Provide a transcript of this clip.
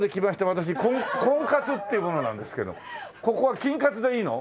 私婚カツっていう者なんですけどここは金カツでいいの？